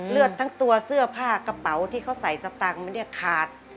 เลือดทั้งตัวเสื้อผ้ากระเป๋าที่เขาใส่สตางค์ไม่ได้ขาด